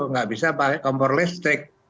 nggak bisa pakai kompor listrik